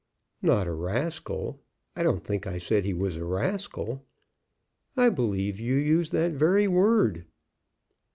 '" "Not a rascal. I don't think I said he was a rascal." "I believe you used that very word."